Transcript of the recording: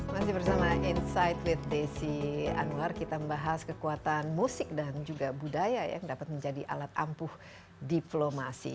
masih bersama insight with desi anwar kita membahas kekuatan musik dan juga budaya yang dapat menjadi alat ampuh diplomasi